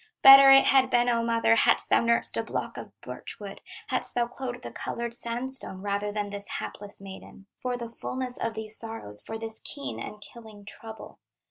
Better it had been, O mother, Hadst thou nursed a block of birch wood, Hadst thou clothed the colored sandstone, Rather than this hapless maiden, For the fulness of these sorrows, For this keen and killing trouble.